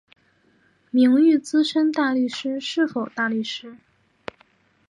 名誉资深大律师是否大律师？